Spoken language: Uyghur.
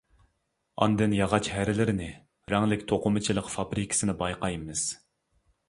ئاندىن ياغاچ ھەرىلىرىنى، رەڭلىك توقۇمىچىلىق فابرىكىسىنى بايقايمىز.